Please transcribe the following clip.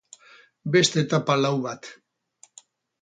Beste etapa lau bat.